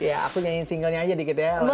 ya aku nyanyiin singlenya aja dikit ya